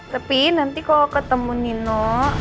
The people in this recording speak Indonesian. tapi nanti kalau ketemu nino